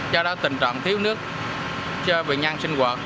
do đó tình trạng thiếu nước cho bệnh nhân sinh hoạt